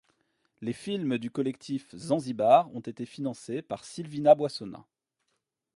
Les films du collectif Zanzibar ont été financés par Sylvina Boissonnas.